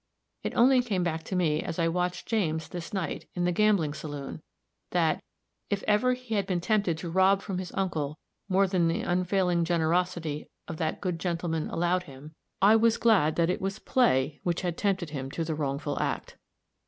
It only came back to me as I watched James this night, in the gambling saloon, that, if he ever had been tempted to rob from his uncle more than the unfailing generosity of that good gentleman allowed him, I was glad that it was play which had tempted him to the wrongful act.